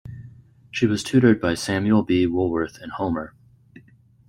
She was tutored by Samuel B. Woolworth in Homer.